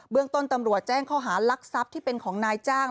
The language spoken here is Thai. เรื่องต้นตำรวจแจ้งข้อหารักทรัพย์ที่เป็นของนายจ้าง